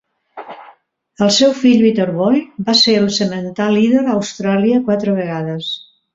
El seu fill, Better Boy, va ser el semental líder a Austràlia quatre vegades.